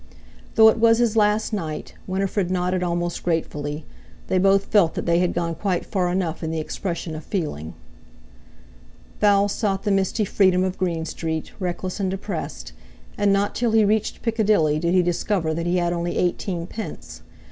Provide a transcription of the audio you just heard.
Though it was his last night, Winifred nodded almost gratefully; they both felt that they had gone quite far enough in the expression of feeling. Val sought the misty freedom of Green Street, reckless and depressed. And not till he reached Piccadilly did he discover that he had only eighteen pence.